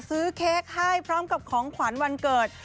เค้กให้พร้อมกับของขวัญวันเกิด